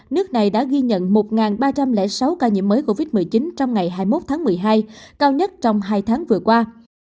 nước này đã ghi nhận một ba trăm linh sáu ca nhiễm mới covid một mươi chín trong ngày hai mươi một tháng một mươi hai cao nhất trong hai tháng vừa qua